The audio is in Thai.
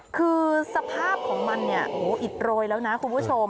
คือสภาพของมันเนี่ยโอ้โหอิดโรยแล้วนะคุณผู้ชม